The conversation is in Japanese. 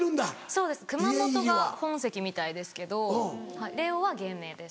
そうです熊本が本籍みたいですけどレオは芸名です。